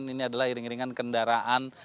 ini adalah iring iringan kendaraan